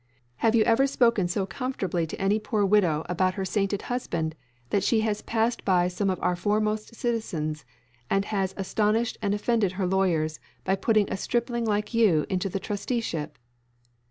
Have you ever spoken so comfortably to any poor widow about her sainted husband that she has passed by some of our foremost citizens, and has astonished and offended her lawyers by putting a stripling like you into the trusteeship?